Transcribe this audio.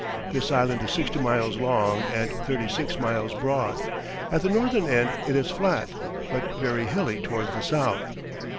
This island is sixty miles long and thirty six miles broad; at the northern end it is flat, but very hilly towards the south.